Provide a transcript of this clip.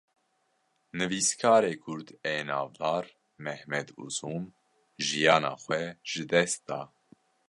Nivîskarê Kurd ê navdar 'Mehmed Uzun, jîyana xwe ji dest da